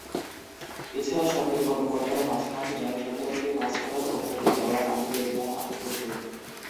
এছাড়া, সরকারি কর্মকর্তারা মাঝে মাঝে জনসাধারণকে পাস করার অনুমতি দেওয়ার আগে জরিমানা আরোপ করত।